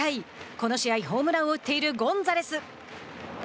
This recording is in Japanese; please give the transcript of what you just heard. この試合、ホームランを打っているゴンザレス。